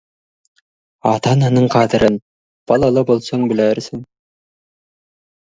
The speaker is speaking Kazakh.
Ата-ананың қадірін, балалы болсаң, білерсің.